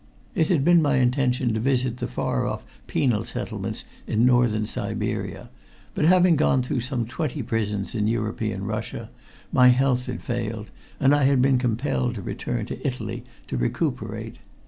It had been my intention to visit the far off penal settlements in Northern Siberia, but having gone through some twenty prisons in European Russia, my health had failed and I had been compelled to return to Italy to recuperate.